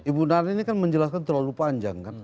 ibu nani ini kan menjelaskan terlalu panjang kan